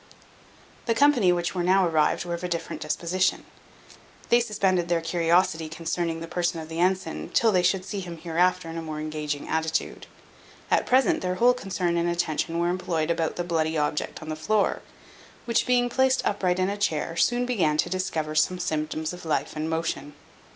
The company which now arrived were of a different disposition. They suspended their curiosity concerning the person of the ensign, till they should see him hereafter in a more engaging attitude. At present, their whole concern and attention were employed about the bloody object on the floor; which being placed upright in a chair, soon began to discover some symptoms of life and motion.